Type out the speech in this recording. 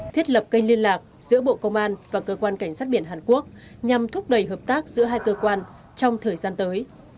thiết lập kênh liên lạc giữa bộ công an và cơ quan cảnh sát biển hàn quốc nhằm thúc đẩy hợp tác giữa hai cơ quan trong thời gian tới